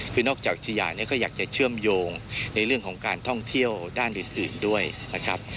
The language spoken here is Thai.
คือนอกจากอุทยานเนี่ยก็อยากจะเชื่อมโยงในเรื่องของการท่องเที่ยวด้านอื่นด้วยนะครับ